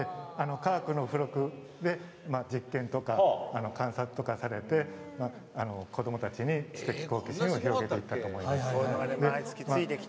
「科学」の付録で実験とか観察とかされて子どもたちに知的好奇心を広げていきました。